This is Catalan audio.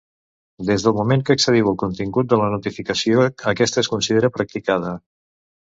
Des del moment que accediu al contingut de la notificació aquesta es considera practicada.